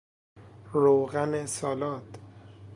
روغن سالاد